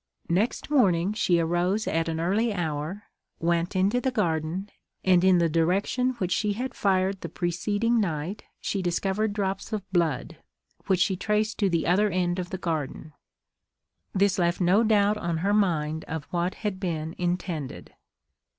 Next morning she arose at an early hour, went into the garden, and in the direction which she had fired the preceding night she discovered drops of blood, which she traced to the other end of the garden. This left no doubt on her mind of what had been intended.